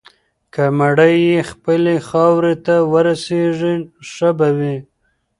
که مړی یې خپلې خاورې ته ورسیږي، ښه به وي.